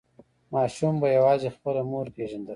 ماشوم به یوازې خپله مور پیژندل.